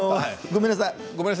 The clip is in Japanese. ごめんなさい。